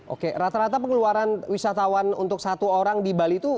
oke rata rata pengeluaran wisatawan untuk satu orang di bali itu